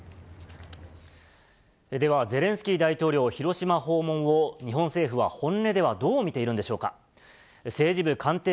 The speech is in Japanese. ではゼレンスキー大統領広島訪問を、日本政府は本音ではどう見ているんでしょうか。